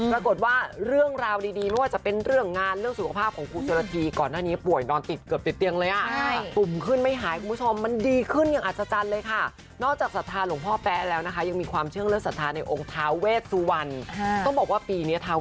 ปรากฏว่าเรื่องราวดีไม่ว่าจะเป็นเรื่องงานเรื่องสุขภาพของคุณโชนาธิ